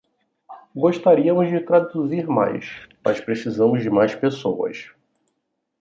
Gostaríamos de traduzir mais, mas precisaríamos de mais pessoas.